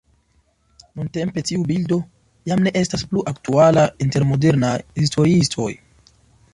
Nuntempe tiu bildo jam ne estas plu aktuala inter modernaj historiistoj.